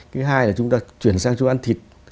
cái hai là chúng ta chuyển sang chúng ta ăn thịt